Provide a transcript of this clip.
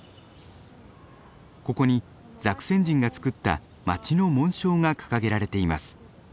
ここにザクセン人が作った街の紋章が掲げられています。